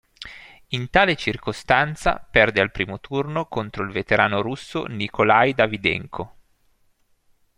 In tale circostanza perde al primo turno contro il veterano russo Nikolaj Davydenko.